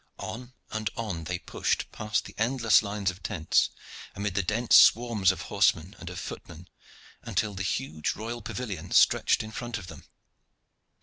On and on they pushed past the endless lines of tents, amid the dense swarms of horsemen and of footmen, until the huge royal pavilion stretched in front of them.